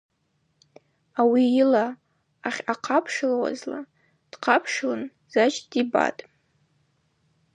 Ауи йла ахьъахъапшылуазла дхъапшылын Зач дибатӏ.